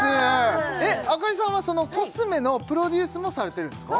朱里さんはコスメのプロデュースもされてるんですか？